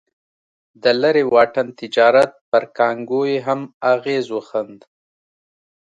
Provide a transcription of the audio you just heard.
د لرې واټن تجارت پر کانګو یې هم اغېز وښند.